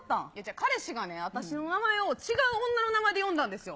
彼氏がね、私の名前を、違う女の名前で呼んだんですよ。